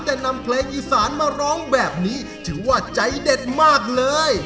แต่นำเพลงอีสานมาร้องแบบนี้ถือว่าใจเด็ดมากเลย